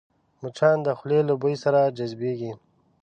مچان د خولې له بوی سره جذبېږي